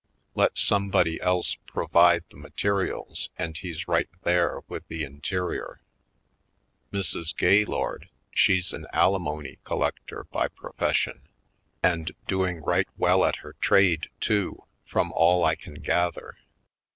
Let somebody else provide the materials and he's right there with the interior. Mrs. Gaylord she's an alimony collector by pro fession and doing right well at her trade, too, from all I can gather.